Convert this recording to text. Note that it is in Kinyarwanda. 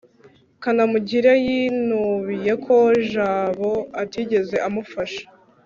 kanamugire yinubiye ko jabo atigeze amufasha